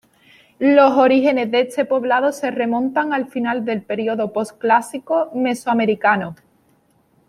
Los orígenes de este poblado se remontan al final del período postclásico mesoamericano.